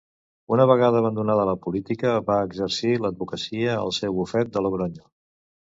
Una vegada abandonada la política va exercir l'advocacia al seu bufet de Logronyo.